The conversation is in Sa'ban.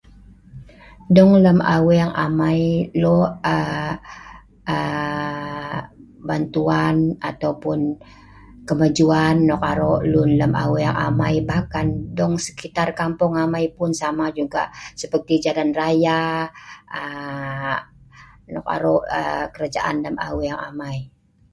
dong lem aweng amai lok aa aa bantuan ataupun kemajuan nok arok lun lem aweng amai bah kan dong sekitar kampung amai pun sama juga seperti jalan raya aa nok arok aa kerajaan lem aweng amai